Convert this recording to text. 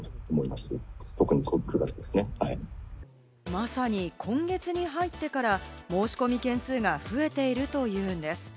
まさに今月に入ってから、申し込み件数が増えているというのです。